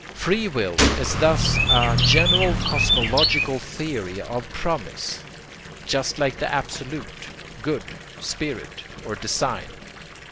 Free will is thus a general cosmological theory of PROMISE, just like the Absolute, God, Spirit or Design.